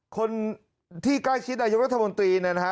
คนที่ใกล้ชิดนายกรัฐมนตรีเนี่ยนะฮะ